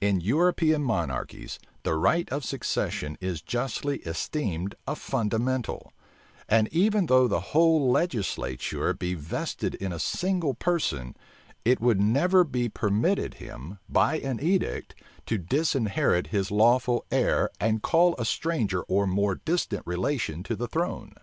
In European monarchies, the right of succession is justly esteemed a fundamental; and even though the whole legislature be vested in a single person, it would never be permitted him, by an edict, to disinherit his lawful heir, and call a stranger or more distant relation to the throne.